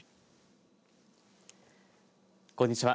こんにちは。